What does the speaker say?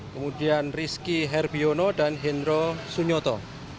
kemudian reski herbiono dan hindra sunyoto